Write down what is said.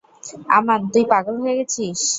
আমান তুই পাগল হয়ে গেছিস।